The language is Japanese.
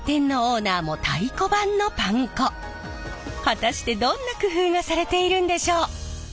果たしてどんな工夫がされているんでしょう！